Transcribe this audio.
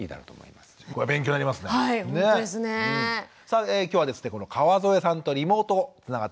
さあ今日はですね川添さんとリモートつながっております。